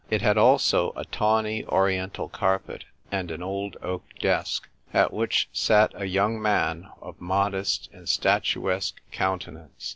It had also a tawny Oriental carpet, and an old oak desk, at which sat a young man of modest and statuesque countenance.